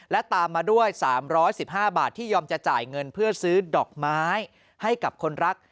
และตามมาด้วย๓๑๕บาทที่ยอมจะจ่ายเงินเพื่อซื้อดอกไม้ให้กับคนรัก